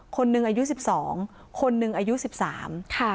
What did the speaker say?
คนหนึ่งอายุสิบสองคนหนึ่งอายุสิบสามค่ะ